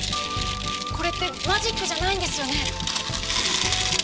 これってマジックじゃないんですよね？